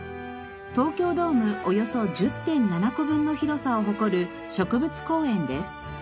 東京ドームおよそ１０．７個分の広さを誇る植物公園です。